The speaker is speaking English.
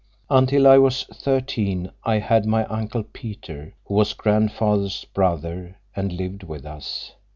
Until I was thirteen I had my Uncle Peter, who was grandfather's brother, and lived with us.